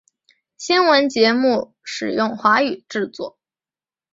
新闻节目使用华语制作。